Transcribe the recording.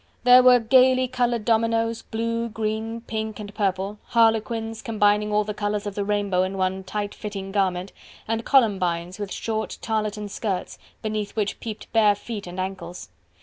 There were gaily coloured dominoes, blue, green, pink and purple, harlequins combining all the colours of the rainbow in one tight fitting garment, and Columbines with short, tarlatan skirts, beneath which peeped bare feet and ankles.